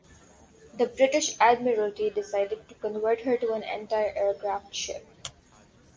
The British Admiralty decided to convert her to an anti-aircraft ship.